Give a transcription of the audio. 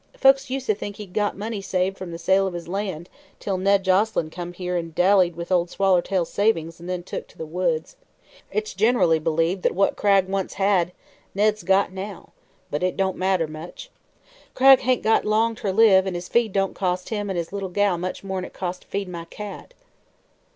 Folks used to think he'd got money saved from the sale of his land, till Ned Joselyn come here an' dallied with Ol' Swallertail's savin's an' then took to the woods. It's gener'ly b'lieved that what Cragg had once Ned's got now; but it don't matter much. Cragg hain't got long ter live an' his feed don't cost him an' his little gal much more'n it costs to feed my cat."